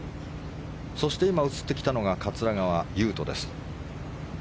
そして今、映ってきたのが桂川有人です。